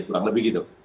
kurang lebih begitu